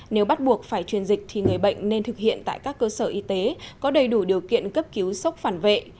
nếu bắt buộc phải truyền dịch thì người bệnh nên thực hiện tại các cơ sở y tế có đầy đủ điều kiện cấp cứu sốc phản vệ